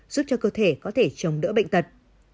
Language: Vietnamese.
giúp cho cơ thể có thể chống đỡ bệnh tật